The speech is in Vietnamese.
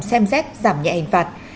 xem xét giảm nhẹ hình phạt